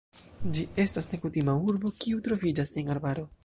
Ĝi estas nekutima urbo, kiu troviĝas en arbaro.